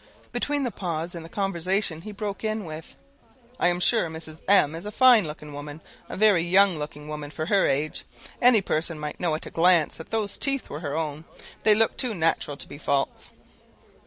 Between every pause in the conversation, he broke in with "I am sure Mrs. M is a fine looking woman a very young looking woman for her age. Any person might know at a glance that those teeth were her own. They look too natural to be false."